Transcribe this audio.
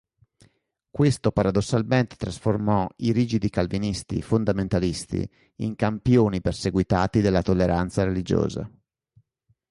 Questo paradossalmente trasformò i rigidi calvinisti fondamentalisti in campioni perseguitati della tolleranza religiosa.